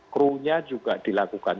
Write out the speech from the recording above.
crew nya juga dilakukan